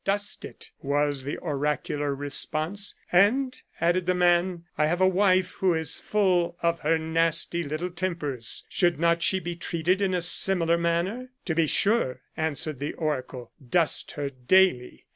" Dust it," was the oracular response. " And," added the man, " I have a wife who is full of her nasty little tempers ; should not she be treated in a similar manner ?"" To be sure," answered the oracle, " dust her daily."